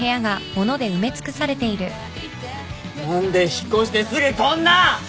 何で引っ越してすぐこんな！